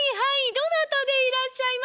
どなたでいらっしゃいま。